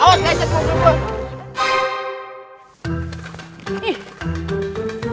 awas naik cepet mumpung